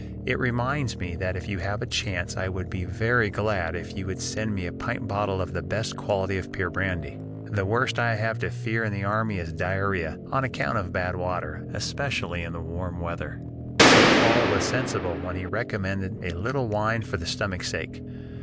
It reminds me that if you have a chance I would be very glad if you would send me a pint bottle of the best quality of pure brandy. The worst I have to fear in the army is diarrhoea, on account of bad water, especially in the warm weather. St. Paul was sensible when he recommended 'a little wine for the stomach's sake.'